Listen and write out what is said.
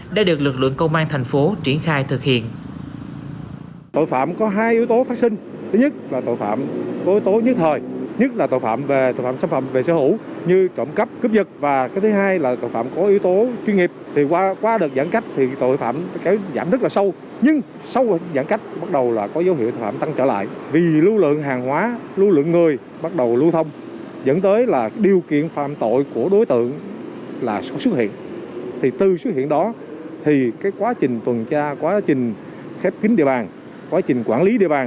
đã được lực lượng công an thành phố triển khai thực hiện